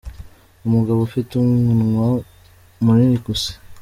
Umugabo ufite umunwa mu nini ku isi